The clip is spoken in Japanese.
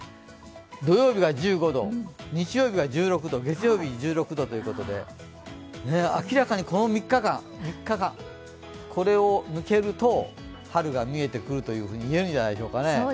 土曜日が１５度、日曜日が１６度、月曜日が１６度ということで明らかにこの３日間、これを抜けると春が見えてくると言えるんじゃないでしょうか。